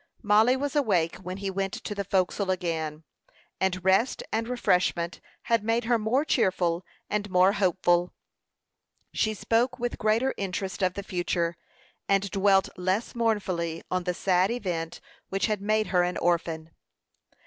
Mollie was awake when he went to the forecastle again; and rest and refreshment had made her more cheerful and more hopeful. She spoke with greater interest of the future, and dwelt less mournfully on the sad event which had made her an orphan.